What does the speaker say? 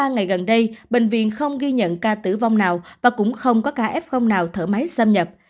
ba ngày gần đây bệnh viện không ghi nhận ca tử vong nào và cũng không có ca f nào thở máy xâm nhập